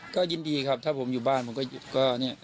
ก็ยินดีครับถ้าผมอยู่บ้านผมก็เนี่ย